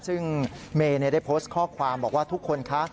ซึ่งเมย์ได้โพสต์ข้อความบอกว่าทุกคนคะ